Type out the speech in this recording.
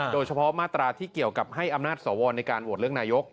โดยเฉพาะมาตราที่เกี่ยวกับให้อำนาจสวในการโหวตเลือกนายก